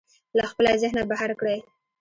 له خپله ذهنه بهر کړئ.